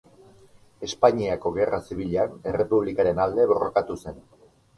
Espainiako Gerra Zibilean, errepublikaren alde borrokatu zen.